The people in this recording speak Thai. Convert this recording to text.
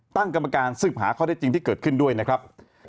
ตั้งกรรมการสืบหาข้อได้จริงที่เกิดขึ้นด้วยนะครับ